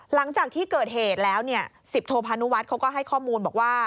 หลังจากที่เกิดเหตุแล้ว๑๐โทพานุวัฒน์เขาก็ให้ข้อมูลบอกว่า